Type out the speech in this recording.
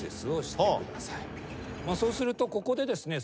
そうするとここでですね